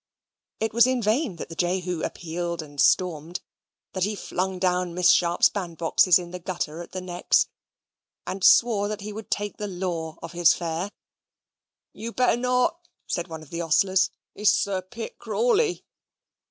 It was in vain that Jehu appealed and stormed; that he flung down Miss Sharp's bandboxes in the gutter at the 'Necks, and swore he would take the law of his fare. "You'd better not," said one of the ostlers; "it's Sir Pitt Crawley."